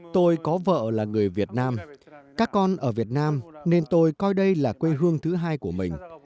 tôi có vợ là người việt nam các con ở việt nam nên tôi coi đây là quê hương thứ hai của mình